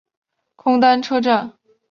空丹车站。